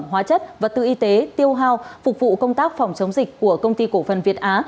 hóa chất vật tư y tế tiêu hao phục vụ công tác phòng chống dịch của công ty cổ phần việt á